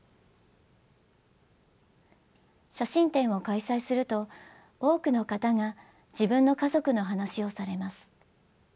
写真展を開催すると多くの方が自分の家族の話をされます。